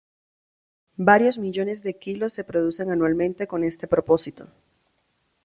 Varios millones de kilos se producen anualmente con este propósito.